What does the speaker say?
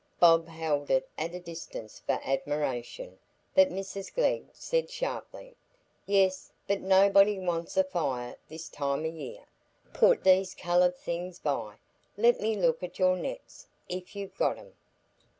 Bob held it at a distance for admiration, but Mrs Glegg said sharply: "Yes, but nobody wants a fire this time o' year. Put these coloured things by; let me look at your nets, if you've got 'em."